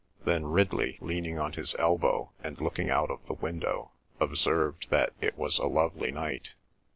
Then Ridley, leaning on his elbow and looking out of the window, observed that it was a lovely night.